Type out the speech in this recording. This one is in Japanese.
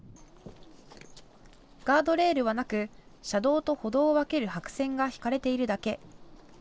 ガードレールはなく車道と歩道を分ける白線が引かれているだけ。